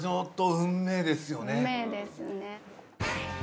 運命ですね。